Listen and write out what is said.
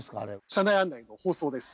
車内案内の放送です。